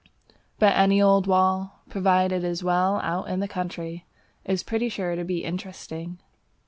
But any old wall, provided it is well out in the country, is pretty sure to be interesting.